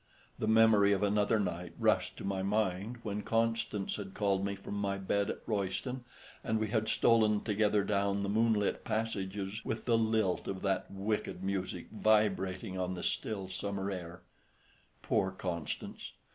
The memory of another night rushed to my mind when Constance had called me from my bed at Royston, and we had stolen together down the moonlit passages with the lilt of that wicked music vibrating on the still summer air. Poor Constance!